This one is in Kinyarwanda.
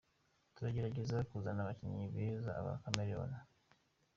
Turagerageza kuzana abakinyi bez aba Cameroun.